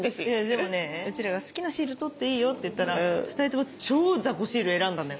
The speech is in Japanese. でもねうちらが「好きなシール取っていいよ」って言ったら２人とも超雑魚シール選んだんだよ。